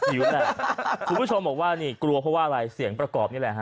แหละคุณผู้ชมบอกว่านี่กลัวเพราะว่าอะไรเสียงประกอบนี่แหละฮ